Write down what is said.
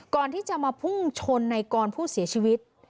ก่อนที่จะมาพุ่งชนในกรผู้เสียชีวิต